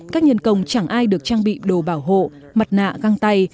các nhân công chẳng ai được trang bị đồ bảo hộ mặt nạ găng tay